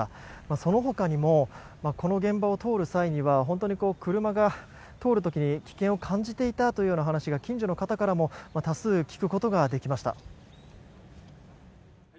そのほかにもこの現場を通る際には本当に車が通る時に危険を感じていたというような話が近所の方からも多数聞くことができました。